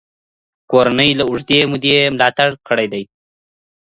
کورنۍ له اوږدې مودې ملاتړ کړی دی.